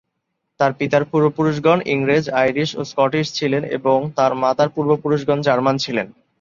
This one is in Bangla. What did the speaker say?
তার পিতার পূর্বপুরুষগণ ইংরেজ, আইরিশ, ও স্কটিশ ছিলেন এবং তার মাতার পূর্বপুরুষগণ জার্মান ছিলেন।